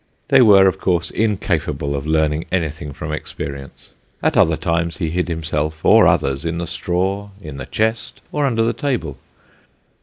They were, of course, incapable of learning anything from experience. At other times he hid himself or others in the straw, in the chest, or under the table.